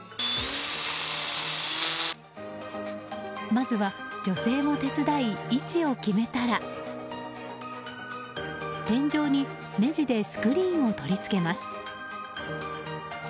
まずは女性も手伝い位置を決めたら天井にねじでスクリーンを取り付けます。